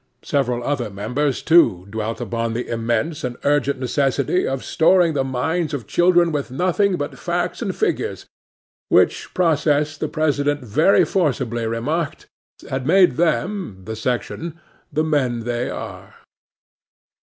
Several other Members, too, dwelt upon the immense and urgent necessity of storing the minds of children with nothing but facts and figures; which process the President very forcibly remarked, had made them (the section) the men they were.